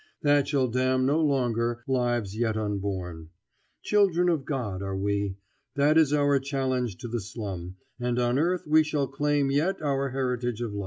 That shall damn no longer lives yet unborn. Children of God are we! that is our challenge to the slum, and on earth we shall claim yet our heritage of light.